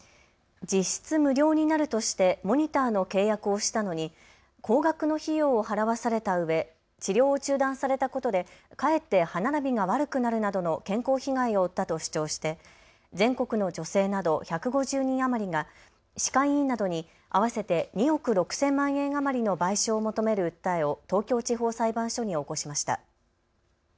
実質無料になるとしてモニターの契約をしたのに高額の費用を払わされたうえ治療を中断されたことでかえって歯並びが悪くなるなどの健康被害を負ったと主張して全国の女性など１５０人余りが歯科医院などに合わせて２億６０００万円余りの賠償を求める訴えを東京地方裁判所に起こしました。